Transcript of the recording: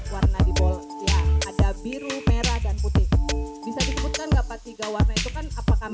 warna di bolak ya ada biru merah dan putih bisa diputang dapat tiga warna itu kan apakah